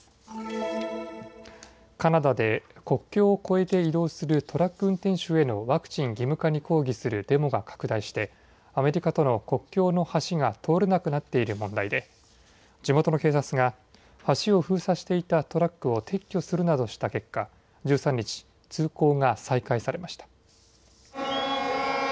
カナダで国境を越えて移動するトラック運転手へのワクチン義務化に抗議するデモが拡大して、アメリカとの国境の橋が通れなくなっている問題で、地元の警察が、橋を封鎖していたトラックを撤去するなどした結果、１３日、通行が再開されました。